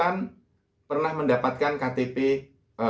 yang bersangkutan pernah mendapatkan ktp elektronik